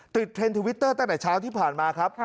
เทรนด์ทวิตเตอร์ตั้งแต่เช้าที่ผ่านมาครับ